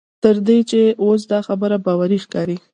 تر دې چې اوس دا خبره باوري ښکاري.